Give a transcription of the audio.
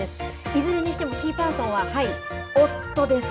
いずれにしてもキーパーソンは夫です。